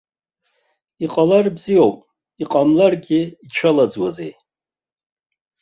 Иҟалар бзиоуп, иҟамларгьы ицәалаӡуазеи.